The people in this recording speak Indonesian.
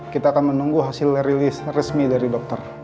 kita akan menunggu hasil rilis resmi dari dokter